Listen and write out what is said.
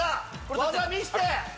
技見せて！